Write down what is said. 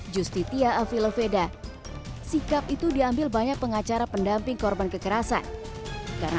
justitia afiloveda sikap itu diambil banyak pengacara pendamping korban kekerasan karena